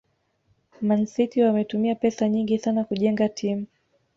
Man City wametumia pesa nyingi sana kujenga timu